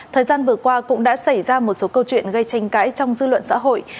thời gian vừa qua cũng đã xảy ra một số câu chuyện gây tranh cãi trong dư luận xã hội